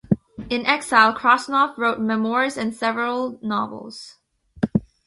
In exile, Krasnov wrote memoirs and several novels.